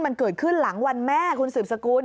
มันเกิดขึ้นหลังวันแม่คุณสืบสกุล